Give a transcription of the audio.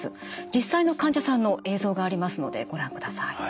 実際の患者さんの映像がありますのでご覧ください。